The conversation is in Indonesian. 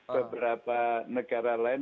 beberapa negara lain